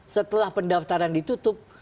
setelah pendaftaran ditutup